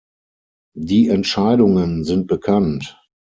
Die Entscheidungen sind bekannt.